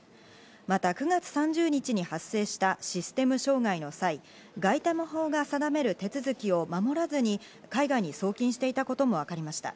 また９月３０日に発生したシステム障害の際、外為法が定める手続きを守らずに海外に送金していたこともわかりました。